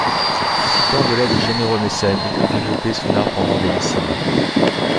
Profitant de l'aide de généreux mécènes, il put développer son art pendant des décennies.